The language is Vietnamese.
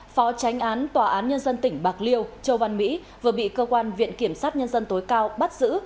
phó tránh án tòa án nhân dân tỉnh bạc liêu châu văn mỹ vừa bị cơ quan viện kiểm sát nhân dân tối cao bắt giữ